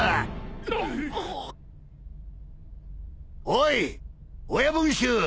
おい親分衆！